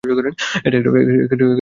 এটা একটা কাঁটা।